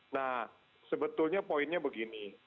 nah sebetulnya poinnya begini